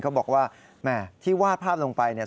เขาบอกว่าแหม่ที่วาดภาพลงไปเนี่ย